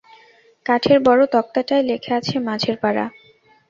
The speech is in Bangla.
কাঠের বড় তক্তাটায় লেখা আছে মাঝেরপাড়া।